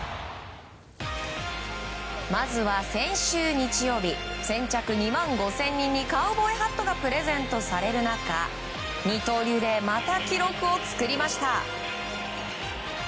まずは、先週日曜日先着２万５０００人にカウボーイハットがプレゼントされる中二刀流でまた記録を作りました。